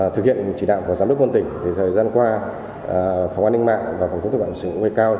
thực hiện chỉ đạo của giám đốc quân tỉnh thời gian qua phòng an ninh mạng và phòng thông tin bảo sĩ nguyên cao